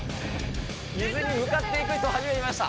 水に向かっていく人、初めて見ました。